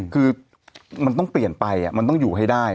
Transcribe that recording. คือมันต้องเปลี่ยนไปมันต้องอยู่ให้ได้